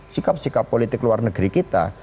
sikap sikap politik luar negeri kita